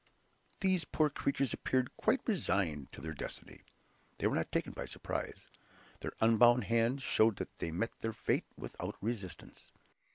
These poor creatures appeared quite resigned to their destiny. They were not taken by surprise. Their unbound hands showed that they met their fate without resistance.